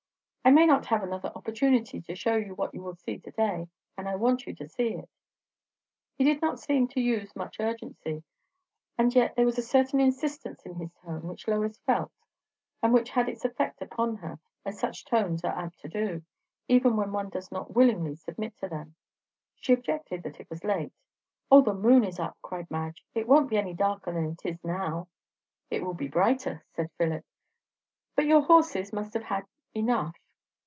"I may not have another opportunity to show you what you will see to day; and I want you to see it." He did not seem to use much urgency, and yet there was a certain insistance in his tone which Lois felt, and which had its effect upon her, as such tones are apt to do, even when one does not willingly submit to them. She objected that it was late. "O, the moon is up," cried Madge; "it won't be any darker than it is now." "It will be brighter," said Philip. "But your horses must have had enough."